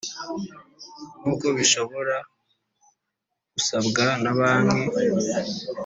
Nk uko bishobora gusabwa na banki